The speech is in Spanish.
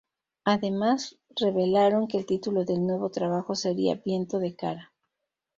Además, revelaron que el título del nuevo trabajo sería "Viento de cara".